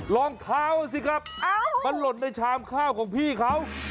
รองเท้าสิครับมันหล่นในชามข้าวของพี่เขา